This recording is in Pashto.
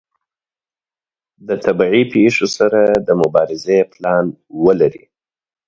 د طبیعي پیښو سره د مبارزې پلان ولري.